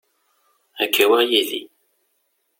Ad k-awiɣ yid-i.